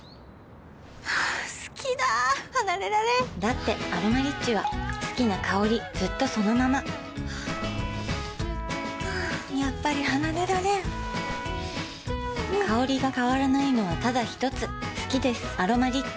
好きだ離れられんだって「アロマリッチ」は好きな香りずっとそのままやっぱり離れられん香りが変わらないのはただひとつ好きです「アロマリッチ」